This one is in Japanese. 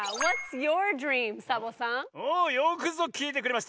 およくぞきいてくれました！